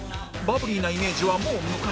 バブリーなイメージはもう昔